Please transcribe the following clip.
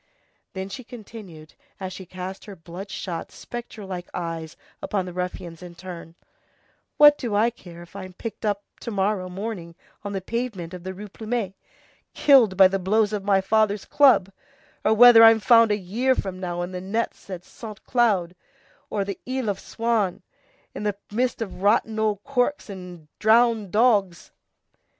Then she continued, as she cast her blood shot, spectre like eyes upon the ruffians in turn:— "What do I care if I'm picked up to morrow morning on the pavement of the Rue Plumet, killed by the blows of my father's club, or whether I'm found a year from now in the nets at Saint Cloud or the Isle of Swans in the midst of rotten old corks and drowned dogs?"